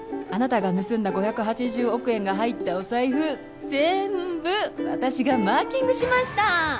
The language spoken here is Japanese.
「あなたが盗んだ５８０億円が入ったお財布」「ゼ・ン・ブ私がマーキングしました」